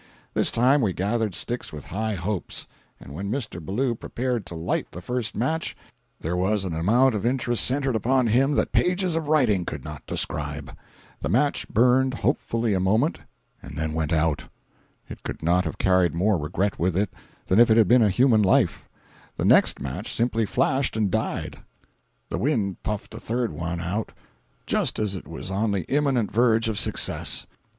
This time we gathered sticks with high hopes; and when Mr. Ballou prepared to light the first match, there was an amount of interest centred upon him that pages of writing could not describe. The match burned hopefully a moment, and then went out. It could not have carried more regret with it if it had been a human life. The next match simply flashed and died. The wind puffed the third one out just as it was on the imminent verge of success.